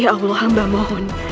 ya allah hamba mohon